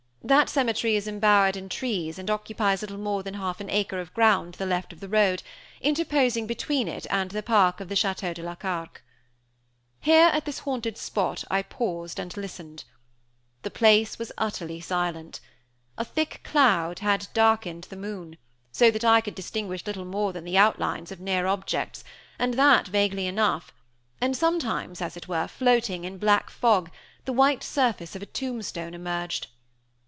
That cemetery is embowered in trees and occupies little more than half an acre of ground to the left of the road, interposing between it and the park of the Château de la Carque. Here, at this haunted spot, I paused and listened. The place was utterly silent. A thick cloud had darkened the moon, so that I could distinguish little more than the outlines of near objects, and that vaguely enough; and sometimes, as it were, floating in black fog, the white surface of a tombstone emerged.